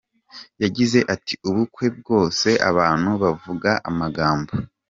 Yagize ati “Ubukwe bwose abantu bavuga amagambo .